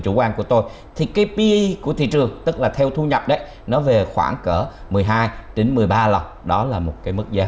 chủ quan của tôi thì cái p của thị trường tức là theo thu nhập nó về khoảng cỡ một mươi hai đến một mươi ba lần đó là một cái mức giá